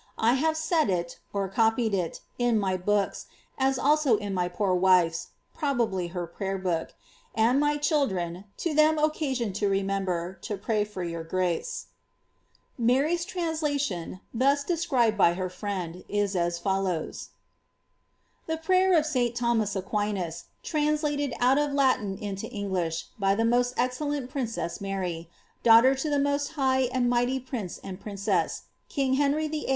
I have set it (copied it; in dt books, as also in my poor wife's (probably her prayer book) and my children, to give tliem occasion to remember to pray for your gnce.*" Mary's translation, thus described by her friend, is as follows :— •The prayer of St. Tliomas Aquinas, translated o»t of Latin into Ensltt excellent priuren Mary, dangiitcr to tiie iiu*st lii^h and mifhvf prince ami princess, kiii^ Henry VIII.